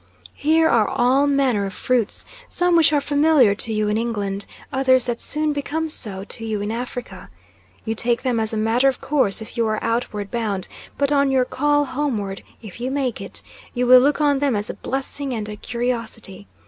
Here are all manner of fruits, some which are familiar to you in England; others that soon become so to you in Africa. You take them as a matter of course if you are outward bound, but on your call homeward (if you make it) you will look on them as a blessing and a curiosity.